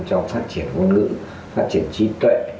cho phát triển ngôn ngữ phát triển trí tuệ